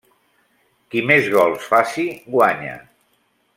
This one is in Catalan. Qui més gols faci, guanya.